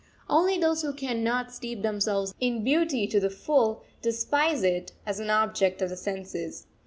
Only those who cannot steep themselves in beauty to the full, despise it as an object of the senses.